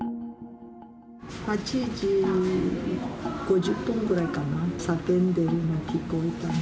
８時５０分ぐらいかな、叫んでるのが聞こえた。